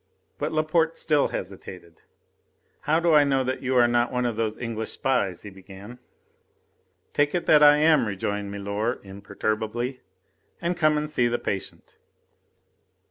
But Laporte still hesitated. "How do I know that you are not one of those English spies?" he began. "Take it that I am," rejoined milor imperturbably, "and come and see the patient."